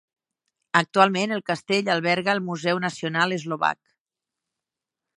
Actualment el Castell alberga el Museu Nacional Eslovac.